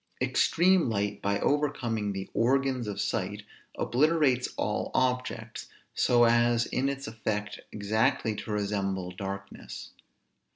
Extreme light, by overcoming the organs of sight, obliterates all objects, so as in its effect exactly to resemble darkness.